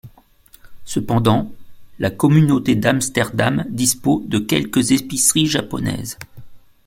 Cependant, la communauté d'Amsterdam dispos de quelques épiceries japonaises.